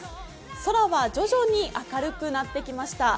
空は徐々に明るくなってきました。